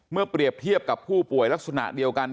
เปรียบเทียบกับผู้ป่วยลักษณะเดียวกัน